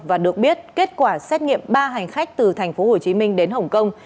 và được biết kết quả xét nghiệm ba hành khách từ tp hcm đến hồng kông